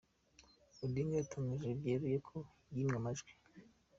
Odinga yatangaje byeruye ko yibwe amajwi.